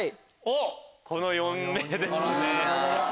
この４名ですね。